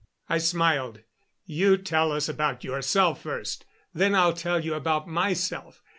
I smiled. "You tell us about yourself first; then I'll tell you about myself.